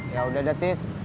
yaudah deh tis